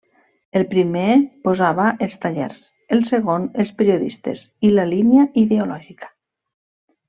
El primer posava els tallers; el segon, els periodistes i la línia ideològica.